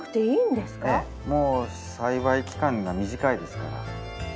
もう栽培期間が短いですから。